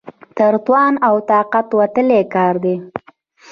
تر توان او طاقت وتلی کار دی.